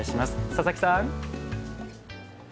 佐々木さん。